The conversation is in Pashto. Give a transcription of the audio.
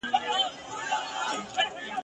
ما پخوا نارې وهلې نن ریشتیا ډوبه بېړۍ ده !.